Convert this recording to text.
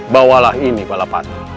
bawalah ini balapan